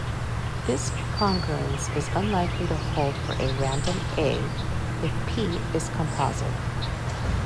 This congruence is unlikely to hold for a random "a" if "p" is composite.